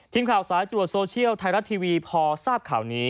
ทีมข่าวสายทดสอศีลไทน์รัสทีวีพอทราบข่าวนี้